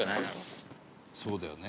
「そうだよね」